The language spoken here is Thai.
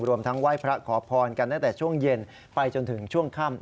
รวมทั้งไหว้พระขอพรกันตั้งแต่ช่วงเย็นไปจนถึงช่วงค่ำ